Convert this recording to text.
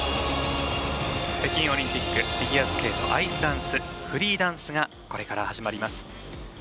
北京オリンピックフィギュアスケートアイスダンスフリーダンスがこれから始まります。